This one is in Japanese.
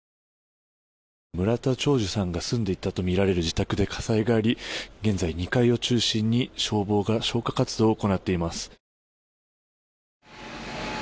村田兆治さんが住んでいたとみられる自宅で火災があり現在、２階を中心に消防が消火活動を行っています。